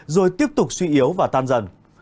rồi tiếp tục suy yếu và tan dần